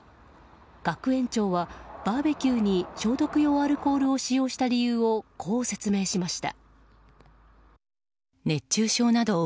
学園長は、バーベキューに消毒用アルコールを使用した理由をこう説明しました。